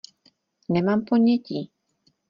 Nemám ponětí.